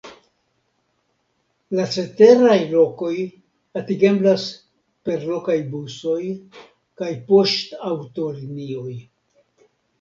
La ceteraj lokoj atingeblas per lokaj busoj kaj poŝtaŭtolinioj.